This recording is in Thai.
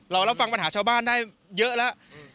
เรารับฟังปัญหาชาวบ้านได้เยอะแล้ว